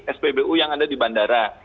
nah ini spbu yang ada di bandara